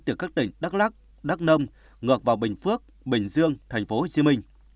từ các tỉnh đắk lắc đắk nông ngược vào bình phước bình dương tp hcm